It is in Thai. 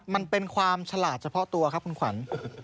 มันเป็นความฉลาดเฉพาะตัวครับคุณขวัญ